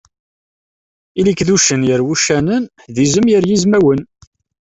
Ili-k d uccen gar wuccanen, d izem gar yizmawen